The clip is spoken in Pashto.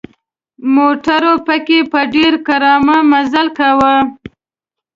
موټرو پکې په ډېر کړاو مزل کاوه.